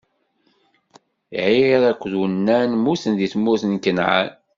Ɛir akked Unan mmuten di tmurt n Kanɛan.